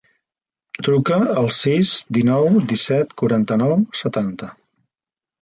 Truca al sis, dinou, disset, quaranta-nou, setanta.